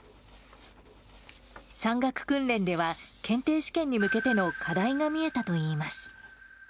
山岳訓練では、検定試験に向けての課題が見えたといいます。